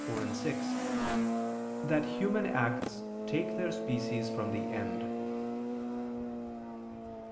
4, 6) that human acts take their species from the end.